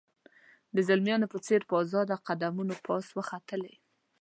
د زلمیانو په څېر په آزاده قدمونو پاس وختلې.